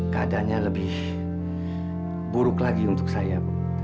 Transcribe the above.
keadaannya lebih buruk lagi untuk saya